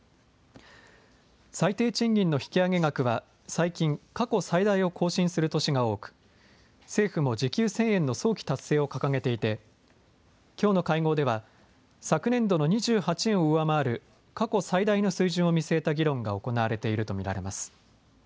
最低賃金の引き上げ額は最近、過去最大を更新する年が多く政府も時給１０００円の早期達成を掲げていてきょうの会合では昨年度の２８円を上回る過去最大の水準を見据えた議論が行われていると見られます。